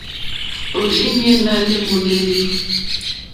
Òrzìɲɛ́ ná lê môlélí.